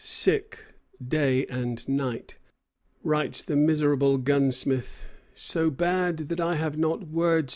"Sick, day and night," writes the miserable gunsmith, "so bad that I have not words to set it forth."